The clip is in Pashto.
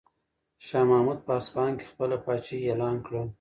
شاه محمود په اصفهان کې خپله پاچاهي اعلان کړه.